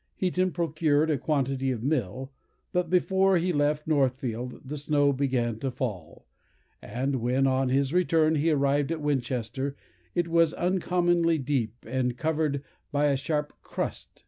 Heaton procured a quantity of meal; but before he left Northfield, the snow began to fall; and when, on his return, he arrived at Winchester, it was uncommonly deep, and covered by a sharp crust.